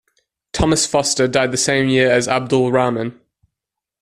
Thomas Foster died the same year as Abdul-Rahman.